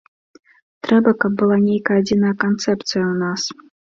Трэба, каб была нейкая адзіная канцэпцыя ў нас.